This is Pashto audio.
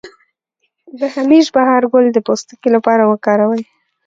د همیش بهار ګل د پوستکي لپاره وکاروئ